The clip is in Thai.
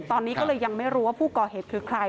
ตอนนี้ก็เลยยังไม่รู้ว่าผู้ก่อเหตุคือใคร